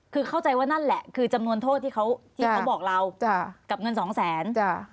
คือเข้าใจว่านั่นแหละคือจำนวนโทษที่เขาบอกเรากับเงินสองแสน